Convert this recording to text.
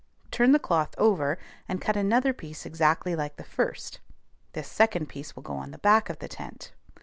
Turn the cloth over, and cut another piece exactly like the first; this second piece will go on the back of the tent.